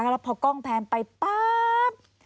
กล้องแพงไปป๊าบ